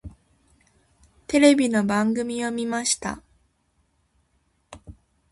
テレビの番組を見ました。